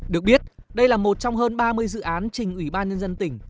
được biết đây là một trong hơn ba mươi dự án trình ủy ban nhân dân tỉnh